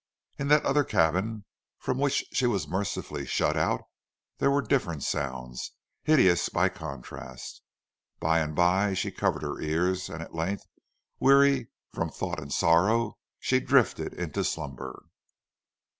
In that other cabin, from which she was mercifully shut out, there were different sounds, hideous by contrast. By and by she covered her ears, and at length, weary from thought and sorrow, she drifted into slumber.